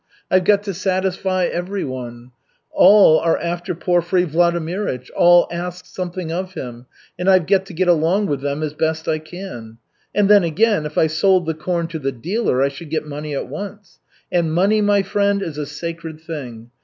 I've got to satisfy every one. All are after Porfiry Vladimirych, all ask something of him, and I've got to get along with them as best I can. And then again, if I sold the corn to the dealer, I should get money at once. And money, my friend, is a sacred thing.